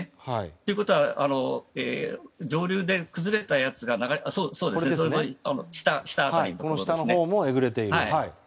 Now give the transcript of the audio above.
ということは上流で崩れたやつが下辺りにえぐれていると。